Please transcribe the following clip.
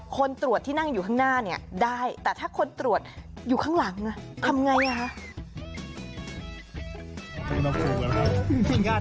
คนตรวจที่นั่งอยู่ข้างหน้าเนี่ยได้แต่ถ้าคนตรวจอยู่ข้างหลังทำไงอ่ะคะ